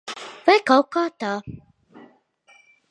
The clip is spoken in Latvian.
Vai kaut kā tā.